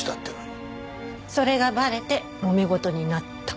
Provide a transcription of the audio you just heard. それがバレてもめ事になった。